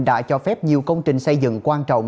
đã cho phép nhiều công trình xây dựng quan trọng